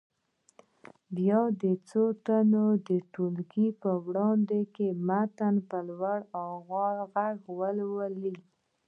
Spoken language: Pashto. بیا دې څو تنه د ټولګي په وړاندې متن په لوړ غږ ولولي.